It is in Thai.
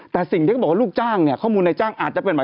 แต่สิ่งที่เขาบอกว่าลูกจ้างเนี่ยข้อมูลในจ้างอาจจะเป็นหมาย